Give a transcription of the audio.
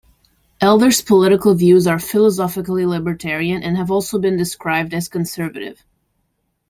Elder's political views are philosophically libertarian and have also been described as conservative.